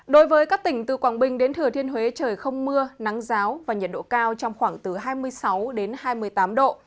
đối với các tỉnh từ quảng bình đến thừa thiên huế trời không mưa nắng giáo và nhiệt độ cao trong khoảng từ hai mươi sáu đến hai mươi tám độ